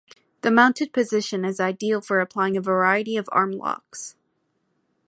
The mounted position is ideal for applying a variety of armlocks.